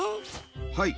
はい。